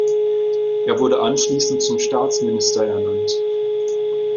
Er wurde anschließend zum Staatsminister ernannt.